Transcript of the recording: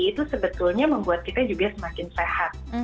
itu sebetulnya membuat kita juga semakin sehat